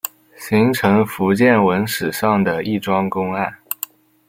形成福建文史上的一桩公案。